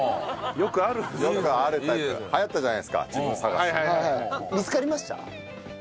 よくあるタイプ流行ったじゃないですか自分探し。